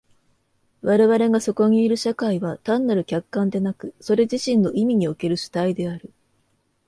我々がそこにいる社会は単なる客観でなく、それ自身の意味における主体である。